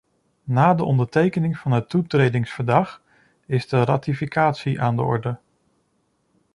Na de ondertekening van het toetredingsverdrag is de ratificatie aan de orde.